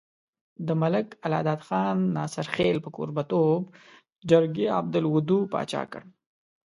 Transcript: د ملک الله داد خان ناصرخېل په کوربه توب جرګې عبدالودو باچا کړو۔